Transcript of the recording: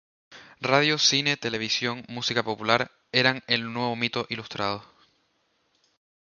Radio, cine, televisión, música popular eran el nuevo mito ilustrado.